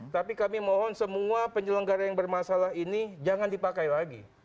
tapi kami mohon semua penyelenggara yang bermasalah ini jangan dipakai lagi